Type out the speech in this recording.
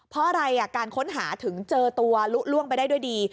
เพราะอะไรการค้นหาถึงเจอตัวลุล่วงไปได้ด้วยดี